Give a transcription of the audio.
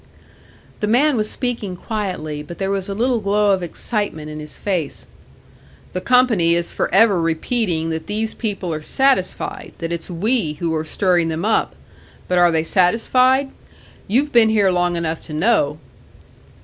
The man was speaking quietly, but there was a little glow of excitement in his face. "The company is forever repeating that these people are satisfied that it's we who are stirring them up. But are they satisfied? You've been here long enough to know!"